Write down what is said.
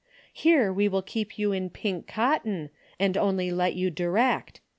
Here we will keep you in pink cotton and only let you direct.